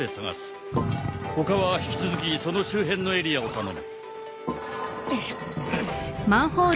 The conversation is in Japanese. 他は引き続きその周辺のエリアを頼む。